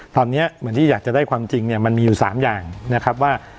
ตอนนี้เหมือนที่อยากจะได้ความจริงเนี่ยมันมีอยู่๓อย่างนะครับว่า